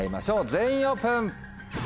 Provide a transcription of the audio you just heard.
全員オープン！